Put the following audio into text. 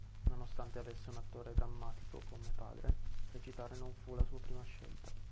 Nonostante avesse un attore drammatico come padre, recitare non fu la sua prima scelta.